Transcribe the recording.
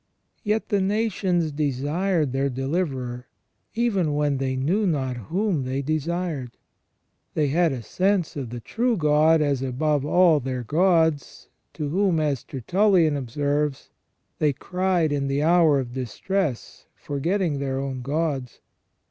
Yet the nations desired their deliverer, even when they knew not whom they desired. They had a sense of the true God as above all their gods, to whom, as TertuUian observes, they cried in the hour of distress, forgetting their own gods.